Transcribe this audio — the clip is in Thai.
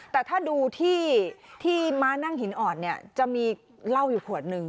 แต่ถ้าดูที่ม้านั่งหินอ่อนเนี่ยจะมีเหล้าอยู่ขวดนึง